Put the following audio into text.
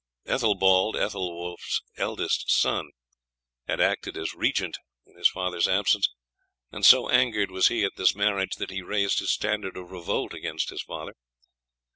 "Ethelbald, Ethelwulf's eldest son, had acted as regent in his father's absence, and so angered was he at this marriage that he raised his standard of revolt against his father.